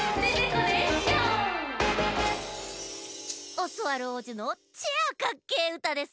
オスワルおうじのチェアカッケーうたです。